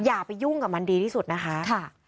อย่าไปยุ่งกับมันดีที่สุดนะคะ